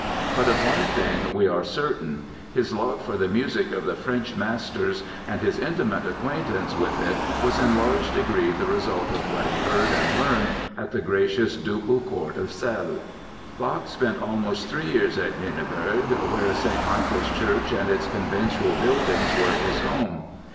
But of one thing we are certain: his love for the music of the French masters and his intimate acquaintance with it was in large degree the result of what he heard and learned at the gracious ducal court of Celle. Bach spent almost three years in Lüneburg, where St. Michael's Church and its conventual buildings were his home.